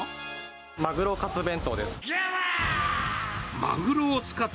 マグロカツ弁当です。